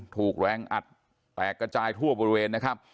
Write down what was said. ถูกแรงอัดแตกระจายทั่วบริเวณนะครับ